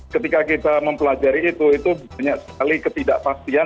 ketika kita mempelajari itu itu banyak sekali ketidakpastian